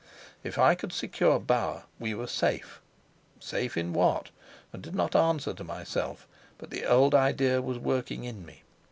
If I could secure Bauer we were safe. Safe in what? I did not answer to myself, but the old idea was working in me.